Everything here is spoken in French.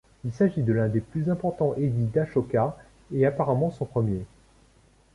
Il s'agit de l'un des plus importants Édits d'Ashoka, et apparemment son premier.